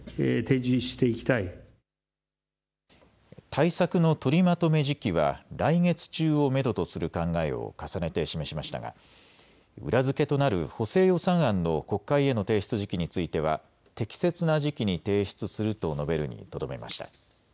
対策の取りまとめ時期は来月中をめどとする考えを重ねて示しましたが裏付けとなる補正予算案の国会への提出時期については適切な時期に提出すると述べるにとどめました。